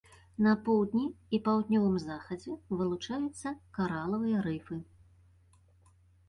На поўдні і паўднёвым захадзе вылучаюцца каралавыя рыфы.